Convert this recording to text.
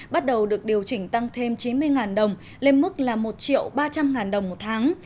bắt đầu được điều chỉnh tăng thêm chín mươi đồng lên mức một ba trăm linh đồng một tháng